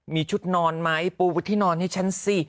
มีชุดนอนไหมปูไว้ที่นอนให้ฉันสิ